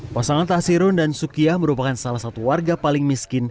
pasangan tasirun dan sukiyah merupakan salah satu warga paling miskin